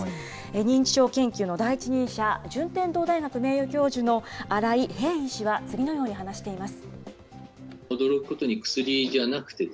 認知症研究の第一人者、順天堂大学名誉教授の新井平伊医師は次のように話しています。